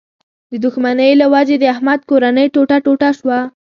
د دوښمنۍ له و جې د احمد کورنۍ ټوټه ټوټه شوله.